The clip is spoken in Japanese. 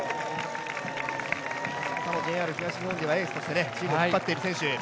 其田もＪＲ東日本ではエースとしてチームを引っ張っている選手。